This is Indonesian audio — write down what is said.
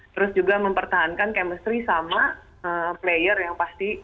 terus juga mempertahankan chemistry sama player yang pasti